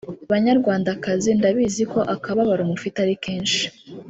banyarwandakazi ndabizi ko akababaro mufite ari Kenshi